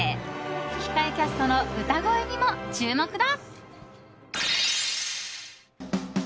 吹き替えキャストの歌声にも注目だ。